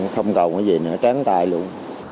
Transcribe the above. không cầu cái gì nữa trán tay luôn